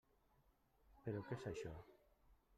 Però què és això?